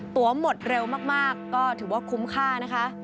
หมดเร็วมากก็ถือว่าคุ้มค่านะคะ